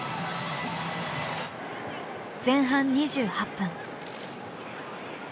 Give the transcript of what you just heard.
前半２８分。